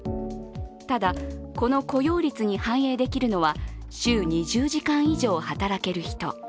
ただ、この雇用率に反映できるのは週２０時間以上働ける人。